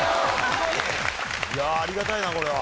いやありがたいなこれは。